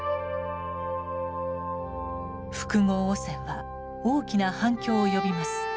「複合汚染」は大きな反響を呼びます。